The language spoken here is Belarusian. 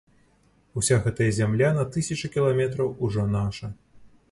Уся гэтая зямля на тысячы кіламетраў ужо наша.